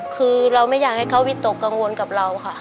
คือเราไม่อยากให้เขาวิตกกังวลกับเราค่ะ